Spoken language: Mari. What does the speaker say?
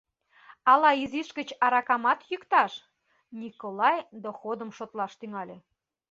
Ала изиш гыч аракамат йӱкташ?» — Николай доходым шотлаш тӱҥале.